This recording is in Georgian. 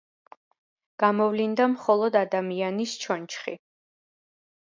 გამოვლინდა მხოლოდ ადამიანის ჩონჩხი.